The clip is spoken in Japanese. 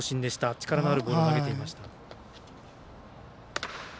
力のあるボールを投げていました。